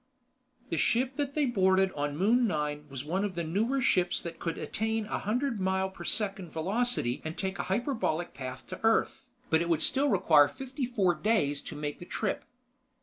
The ship that they boarded on Moon Nine was one of the newer ships that could attain a hundred mile per second velocity and take a hyperbolic path to Earth, but it would still require fifty four days to make the trip.